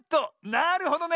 なるほどね！